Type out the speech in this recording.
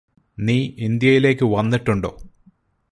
നീ ഇന്ത്യയിലേക്ക് വന്നിട്ടുണ്ടോ